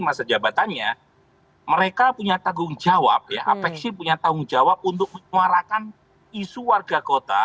masa jabatannya mereka punya tanggung jawab ya apeksi punya tanggung jawab untuk menyuarakan isu warga kota